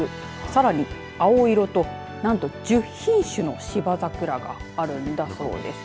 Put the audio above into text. さらに青色となんと１０品種の芝桜があるんだそうです。